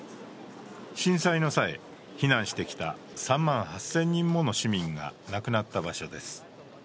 震災の際、避難してきた３万８０００人もの市民が亡くなった場所です。